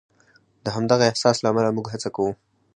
د همدغه احساس له امله موږ هڅه کوو.